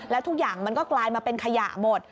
แล้วทุกอย่างมันก็กลายมาเป็นขยะหมด